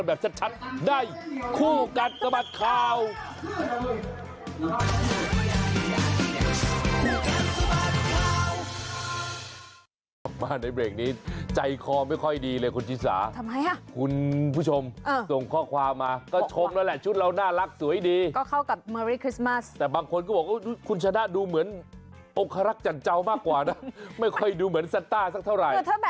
เอานะเราแต่งให้เข้ากับเทศกาลคลิกมันไม่ใช่เหรอ